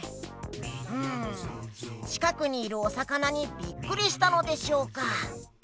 うんちかくにいるおさかなにびっくりしたのでしょうか？